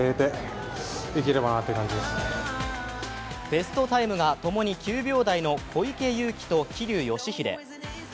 ベストタイムがともに９秒台の小池祐貴と桐生祥秀。